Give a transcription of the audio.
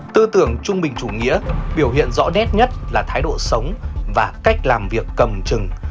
tư tưởng trung bình chủ nghĩa biểu hiện rõ nét nhất là thái độ sống và cách làm việc cầm chừng